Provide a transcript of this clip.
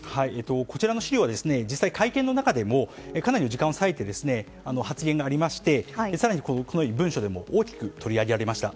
こちらの資料は会見の中でもかなりの時間を割いて発言がありまして更に、文章でも大きく取り上げられました。